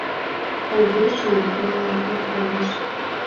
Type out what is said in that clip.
Огеш лий мылам ӧрканаш.